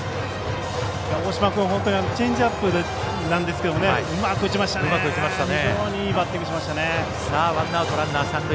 大嶋君、本当にチェンジアップなんですけどうまく打ちましたね。